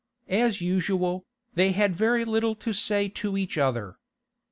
As usual, they had very little to say to each other.